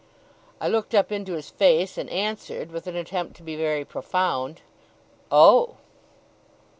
I looked up into his face, and answered, with an attempt to be very profound: 'Oh!